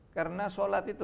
karena sholat itu